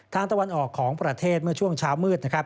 ทางตะวันออกของประเทศเมื่อช่วงเช้ามืด